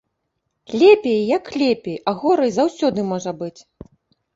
Лепей як лепей, а горай заўсёды можа быць.